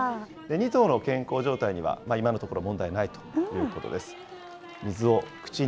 ２頭の健康状態には今のところ問題ないということです。